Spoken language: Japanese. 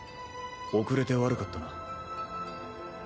遅れて悪かったな。